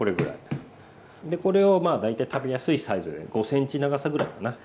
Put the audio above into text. これをまあ大体食べやすいサイズで５ｃｍ長さぐらいかな。